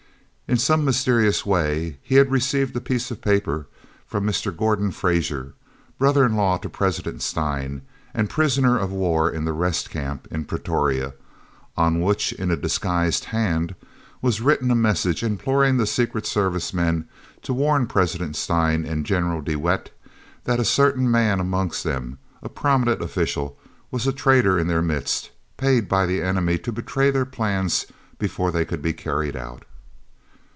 In some mysterious way he had received a piece of paper from Mr. Gordon Fraser, brother in law to President Steyn, and prisoner of war in the Rest Camp in Pretoria, on which, in a disguised hand, was written a message imploring the Secret Service men to warn President Steyn and General de Wet that a certain man amongst them, a prominent official, was a traitor in their midst, paid by the enemy to betray their plans before they could be carried out.